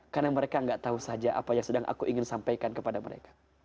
karena mereka enggak tahu saja apa yang sedang aku ingin sampaikan kepada mereka